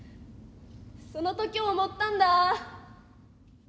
その時思ったんだ。